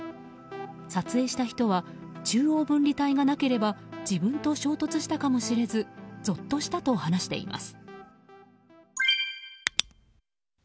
撮影した人は中央分離帯がなければ自分と衝突したかもしれずぞっとしたと話しています。